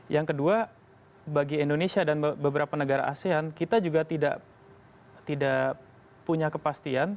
yang kedua bagi indonesia dan beberapa negara asean kita juga tidak punya kepastian